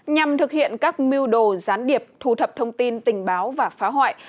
nhằm thực hiện các mưu đồ gián điệp thu thập thông tin tình báo và phá hoại